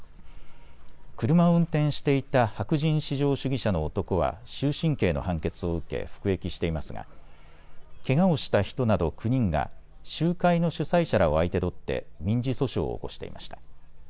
車を運転していた白人至上主義者の男は終身刑の判決を受け服役していますがけがをした人など９人が集会の主催者らを相手取って民事訴訟を起こしていました。